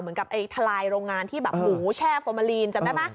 เหมือนกับไอ้ทลายโรงงานที่แบบหมูแช่ฟอร์มาลีนจำได้ไหม